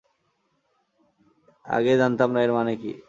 আগে জানতাম না এর মানে কী।